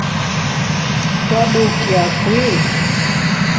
Wadukia kwii?